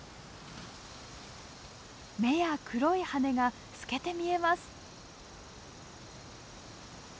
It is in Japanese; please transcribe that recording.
目や黒い羽が透けて見えます。